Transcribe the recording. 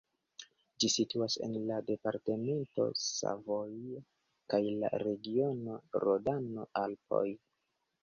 Ĝi situas en la departamento Savoie kaj la regiono Rodano-Alpoj.